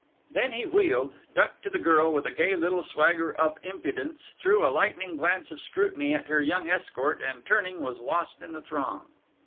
] Then he wheeled, ducked to the girl with a gay little swagger of impudence, threw a lightning glance of scrutiny at her young escort, and turning, was lost in the throng.